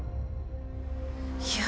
いや。